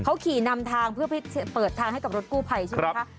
เขาขี่นำทางเพื่อเปิดทางให้กับรถกู้ภัยใช่ไหมคะ